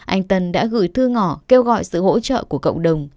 anh tân đã gửi thư ngỏ kêu gọi sự hỗ trợ của cộng đồng